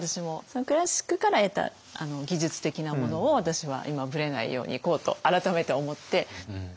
そのクラシックから得た技術的なものを私は今ぶれないようにいこうと改めて思って。